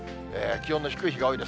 気温の低い日が多いです。